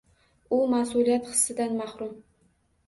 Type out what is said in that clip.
U mas’uliyat hissidan mahrum.